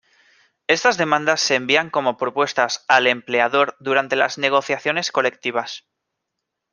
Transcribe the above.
Estas demandas se envían como propuestas al empleador durante las negociaciones colectivas.